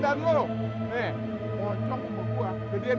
saya kurang percaya sama si pak arman